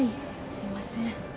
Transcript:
すいません。